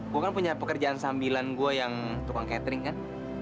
gue kan punya pekerjaan sambilan gue yang tukang catering kan